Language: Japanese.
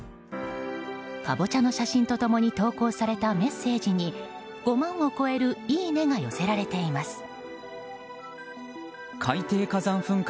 カボチャの写真と共に投稿されたメッセージに５万を超えるいいねが寄せられています。